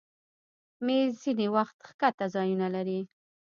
مېز ځینې وخت ښکته ځایونه لري.